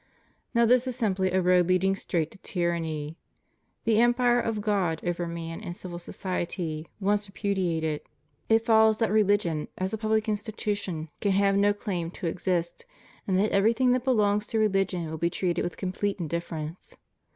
Now this is simply a road leading straight to tyranny. The empire of God over man and civil society once repudiated, it foUoAvs that religion, as a pubUc institution, can have no claim to exist, and that everything that belongs to religion will be treated with complete indifference.